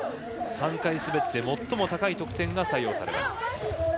３回滑って最も高い得点が採用されます。